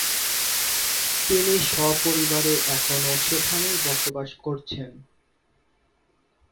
তিনি সপরিবারে এখনও সেখানেই বসবাস করছেন।